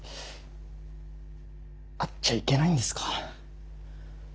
会っちゃいけないんですか。